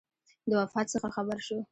د وفات څخه خبر شو.